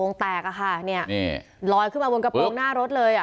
วงแตกลอยขึ้นมาวนกระโปรงหน้ารถเลย